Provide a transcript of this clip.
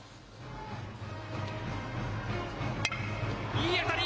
いい当たり。